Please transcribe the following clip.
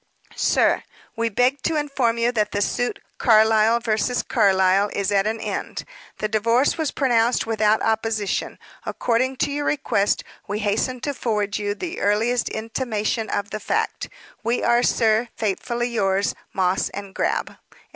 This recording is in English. "Sir We beg to inform you that the suit Carlyle vs. Carlyle, is at an end. The divorce was pronounced without opposition. According to your request, we hasten to forward you the earliest intimation of the fact. "We are, sir, faithfully yours, "MOSS & GRAB.